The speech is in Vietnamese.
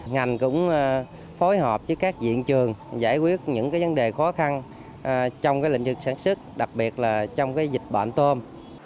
ngành cũng phối hợp với các diện trường giải quyết những vấn đề khó khăn trong lĩnh vực sản xuất đặc biệt là trong dịch bệnh tôm